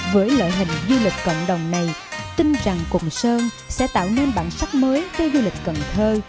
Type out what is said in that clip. với loại hình du lịch cộng đồng này tin rằng cùng sơn sẽ tạo nên bản sắc mới cho du lịch cần thơ